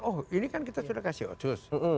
oh ini kan kita sudah kasih ocus